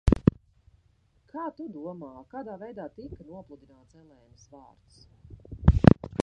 Kā tu domā, kādā veidā tika nopludināts Elēnas vārds?